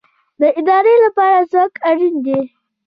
د ارادې لپاره ځواک اړین دی